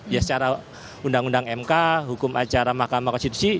ya secara undang undang mk hukum acara makam makasih terserah